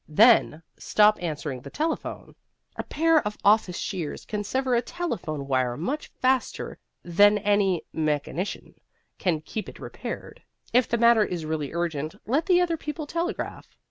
Then, stop answering the telephone. A pair of office shears can sever a telephone wire much faster than any mechanician can keep it repaired. If the matter is really urgent, let the other people telegraph.